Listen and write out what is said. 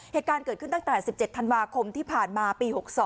เหตุการณ์เกิดขึ้นตั้งแต่๑๗ธันวาคมที่ผ่านมาปี๖๒